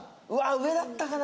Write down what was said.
上だったかな